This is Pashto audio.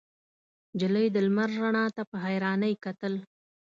نجلۍ د لمر رڼا ته په حيرانۍ کتل.